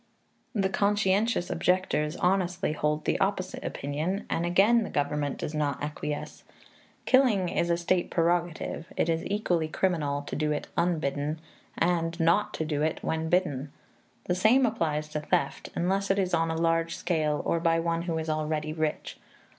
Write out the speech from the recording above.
The conscientious objectors honestly hold the opposite opinion, and again the government does not acquiesce. Killing is a state prerogative; it is equally criminal to do it unbidden and not to do it when bidden. The same applies to theft, unless it is on a large scale or by one who is already rich.